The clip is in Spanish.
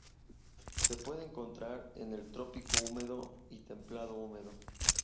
Se puede encontrar en el Trópico húmedo y Templado húmedo.